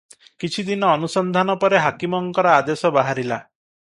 କିଛି ଦିନ ଅନୁସନ୍ଧାନ ପରେ ହାକିମଙ୍କର ଆଦେଶ ବାହାରିଲା ।